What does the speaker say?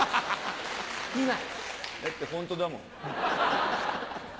だってホントだもん。